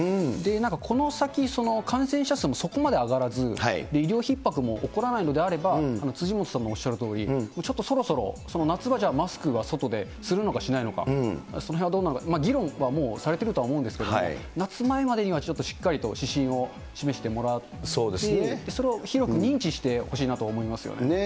なんかこの先、感染者数もそこまで上がらず、医療ひっ迫も起こらないのであれば、辻元さんもおっしゃるとおり、ちょっとそろそろ、夏場じゃマスクは外でするのかしないのか、そのへんはどうなのか、議論はもうされてると思うんですけど、夏前までにはちょっとしっかりと指針を示してもらって、それを広く認知してほしいなと思いますよね。